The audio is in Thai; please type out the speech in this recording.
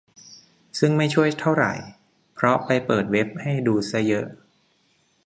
ซึ่งไม่ช่วยเท่าไหร่ เพราะไปเปิดเว็บให้ดูซะเยอะ